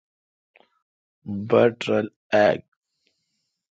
بٹ رل آ